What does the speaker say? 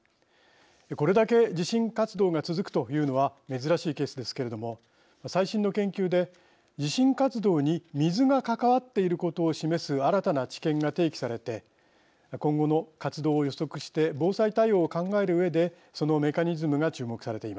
これだけ地震活動が続くというのは珍しいケースですけれども最新の研究で地震活動に水が関わっていることを示す新たな知見が提起されて今後の活動を予測して防災対応を考えるうえでそのメカニズムが注目されています。